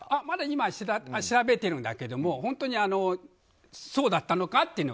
まだ今、調べているんだけども本当にそうだったのかは。